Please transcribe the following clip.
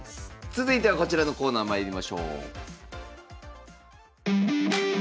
続いてはこちらのコーナーまいりましょう。